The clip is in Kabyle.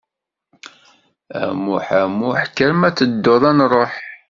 A Muḥ, a Muḥ, kker ma ad tedduḍ ad nruḥ.